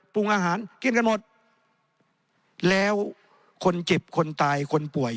ปรุงอาหารกินกันหมดแล้วคนเจ็บคนตายคนป่วย